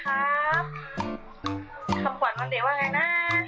คำขวัญวันเด็กว่าไงนะ